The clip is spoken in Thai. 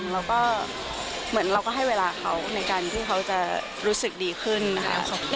แล้วก็เหมือนเราก็ให้เวลาเขาในการที่เขาจะรู้สึกดีขึ้นนะคะ